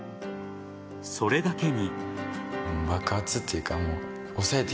それだけに。